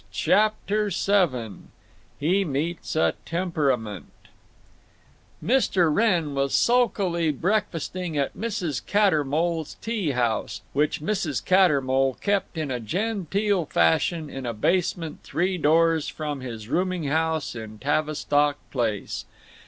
CHAPTER VII HE MEETS A TEMPERAMENT Mr. Wrenn was sulkily breakfasting at Mrs. Cattermole's Tea House, which Mrs. Cattermole kept in a genteel fashion in a basement three doors from his rooming house on Tavistock Place.